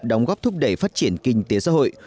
đóng góp thúc đẩy phát triển kinh tế xã hội